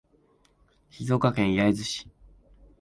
静岡県焼津市